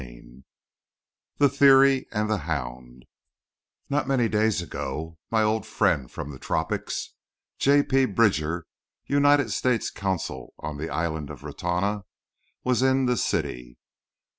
II THE THEORY AND THE HOUND Not many days ago my old friend from the tropics, J. P. Bridger, United States consul on the island of Ratona, was in the city.